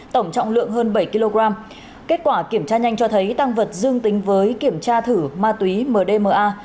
tổng trọng lượng hơn bảy kg kết quả kiểm tra nhanh cho thấy tăng vật dương tính với kiểm tra thử ma túy mdma